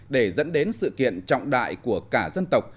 để dẫn đến sự kiện trọng đại của cả dân tộc